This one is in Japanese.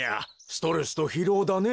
ストレスとひろうだね。